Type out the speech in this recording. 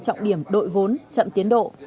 trọng điểm đội vốn chậm tiến độ